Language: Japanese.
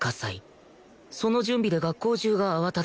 その準備で学校中が慌ただしい